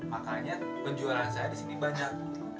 makanya penjualan saya di sini banyak